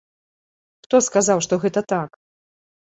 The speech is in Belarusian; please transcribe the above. Хто сказаў, што гэта так?